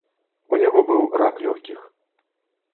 У яго быў рак лёгкіх.